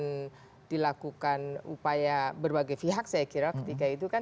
kemudian dilakukan upaya berbagai pihak saya kira ketika itu kan